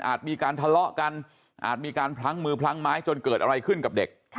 มีการทะเลาะกันอาจมีการพลั้งมือพลั้งไม้จนเกิดอะไรขึ้นกับเด็ก